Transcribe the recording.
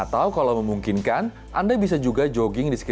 atau kalau memungkinkan anda bisa juga jogging di sekitar